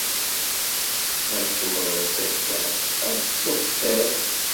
Ma tkemmleḍ-tt akka, ad tettuxeṭṭiḍ.